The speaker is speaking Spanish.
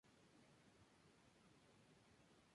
Fury envía a Spider-Man a recuperar los fragmentos de meteoro.